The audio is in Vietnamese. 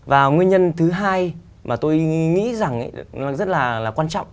và nguyên nhân thứ hai mà tôi nghĩ rằng rất là quan trọng